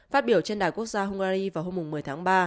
phát biểu trên đài quốc gia hungary vào hôm một mươi tháng ba